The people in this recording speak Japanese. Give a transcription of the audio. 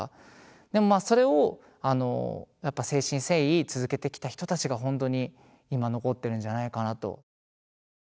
でもまあそれをあのやっぱ誠心誠意続けてきた人たちがほんとに今残ってるんじゃないかなと。